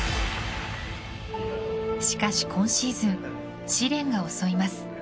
しかし、今シーズン試練が襲います。